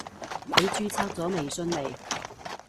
你註冊咗微信未？